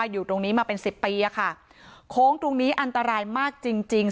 อยู่ตรงนี้มาเป็นสิบปีอะค่ะโค้งตรงนี้อันตรายมากจริงจริง